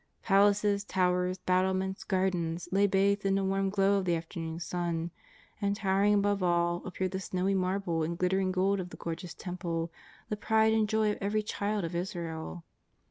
Palaces, towers, battlements, gardens, lay bathed in the warm glow of the afternoon sun ; and, towering above all, appeared the snowy marble and glittering gold of the gorgeous Temple, the pride and the joy of every child of Israel.